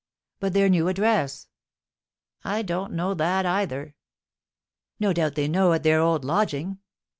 "But their new address?" "I don't know that either." "No doubt they know at their old lodging?"